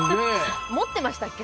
持ってましたっけ？